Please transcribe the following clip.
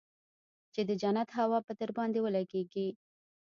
چې د جنت هوا به درباندې ولګېږي.